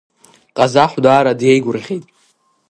Ҟазахә даара деигәырӷьеит.